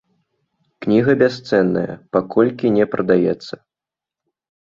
Кніга бясцэнная, паколькі не прадаецца.